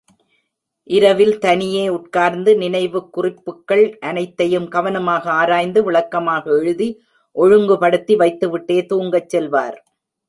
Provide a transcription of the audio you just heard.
இரவில் தனியே உட்கார்ந்து, நினைவுக் குறிப்புக்கள் அனைத்தையும் கவனமாக ஆராய்ந்து, விளக்கமாக எழுதி, ஒழுங்குபடுத்தி வைத்துவிட்டே தூங்கச் செல்வார்.